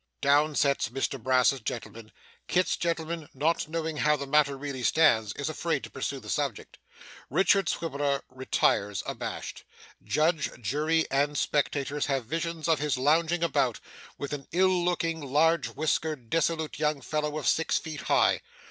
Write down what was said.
Down sits Mr Brass's gentleman. Kit's gentleman, not knowing how the matter really stands, is afraid to pursue the subject. Richard Swiveller retires abashed. Judge, jury and spectators have visions of his lounging about, with an ill looking, large whiskered, dissolute young fellow of six feet high.